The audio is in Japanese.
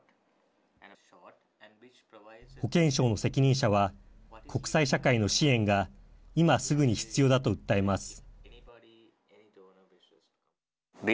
保健省の責任者は国際社会の支援が今すぐに必要だと訴えます。